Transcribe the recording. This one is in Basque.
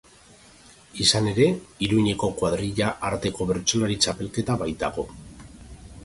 Izan ere, Iruñeko kuadrilla arteko bertsolari txapelketa baitago.